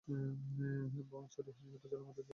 রোয়াংছড়ি উপজেলার মধ্য দিয়ে প্রবাহিত হচ্ছে সাঙ্গু নদী।